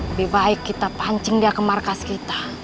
lebih baik kita pancing dia ke markas kita